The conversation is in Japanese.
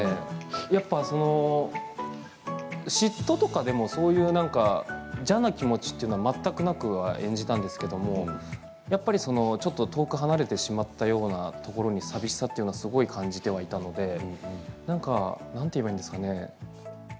やっぱその嫉妬とかでもそういう、なんか邪な気持ちっていうのは全くなく演じたんですけどもやっぱりそのちょっと遠く離れてしまったようなところの寂しさっていうのはすごい感じてはいたので、なんか何ていえばいいんですかね。